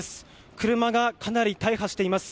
車がかなり大破しています。